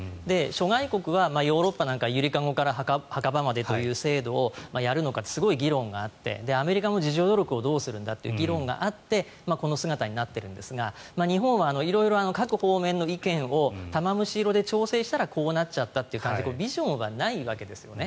諸外国はヨーロッパなんかはゆりかごから墓場までの制度をやるのかっていうすごい議論があってアメリカも自助努力をどうするんだという議論があってこの姿になっているんですが日本は色々、各方面の意見を玉虫色で調整したらこうなっちゃったという感じでビジョンがないわけですね。